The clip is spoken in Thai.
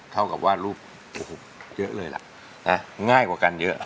เท่ากับว่ารูปโอ้โหเยอะเลยล่ะง่ายกว่ากันเยอะ